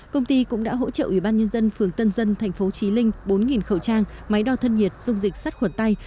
công ty cũng đã hỗ trợ ủy ban nhân dân phường tân dân thành phố trí linh bốn khẩu trang máy đo thân nhiệt dung dịch sát khuẩn tay